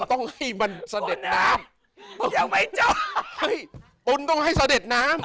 ตุลต้องให้เสด็จน้ำ